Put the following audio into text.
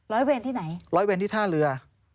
ร้อยเวรที่ไหนร้อยเวรที่ท่าเรือ